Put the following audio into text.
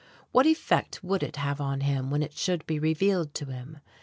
What effect would it have on him when it should be revealed to him?...